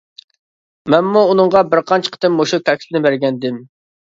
مەنمۇ ئۇنىڭغا بىرقانچە قېتىم مۇشۇ تەكلىپنى بەرگەنىدىم.